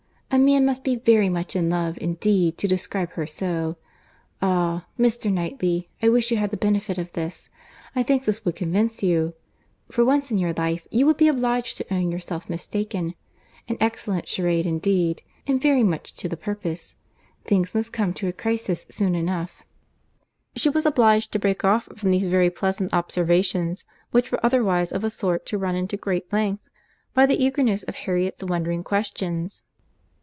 A man must be very much in love, indeed, to describe her so. Ah! Mr. Knightley, I wish you had the benefit of this; I think this would convince you. For once in your life you would be obliged to own yourself mistaken. An excellent charade indeed! and very much to the purpose. Things must come to a crisis soon now." She was obliged to break off from these very pleasant observations, which were otherwise of a sort to run into great length, by the eagerness of Harriet's wondering questions.